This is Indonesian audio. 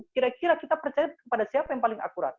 kira kira kita percaya kepada siapa yang paling akurat